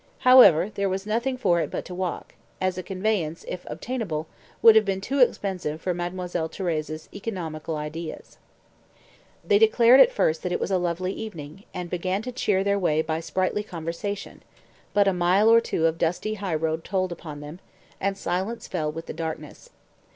However, there was nothing for it but to walk, as a conveyance, if obtainable, would have been too expensive for Mademoiselle Thérèse's economical ideas. They declared at first that it was a lovely evening, and began to cheer their way by sprightly conversation, but a mile or two of dusty highroad told upon them, and silence fell with the darkness.